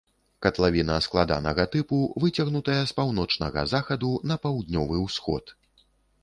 Катлавіна складанага тыпу, выцягнутая з паўночнага захаду на паўднёвы ўсход.